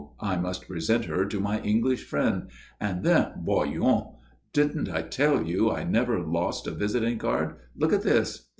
I must present her to my English friend. And then voyons didn't I tell you I never lost a visiting card? Look at this?"